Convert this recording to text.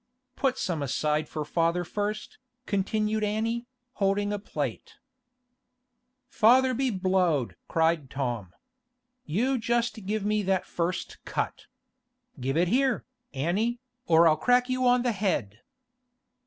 'Put some aside for father first,' continued Annie, holding a plate. 'Father be blowed!' cried Tom. 'You just give me that first cut. Give it here, Annie, or I'll crack you on the head!